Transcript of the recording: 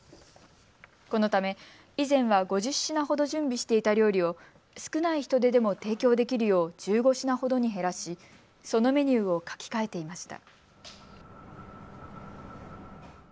このため以前は５０品ほど準備していた料理を少ない人手でも提供できるよう１５品ほどに減らしそのメニューを書き替えていました。